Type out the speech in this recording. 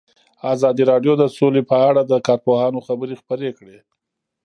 ازادي راډیو د سوله په اړه د کارپوهانو خبرې خپرې کړي.